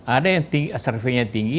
ada yang surveinya tinggi